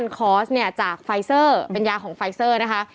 คอร์สเนี่ยจากไฟเซอร์เป็นยาของไฟเซอร์นะคะ